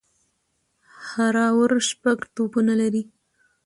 هر اوور شپږ توپونه لري.